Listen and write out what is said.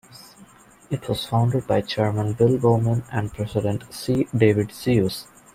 It was founded by chairman Bill Bowman and president C. David Seuss.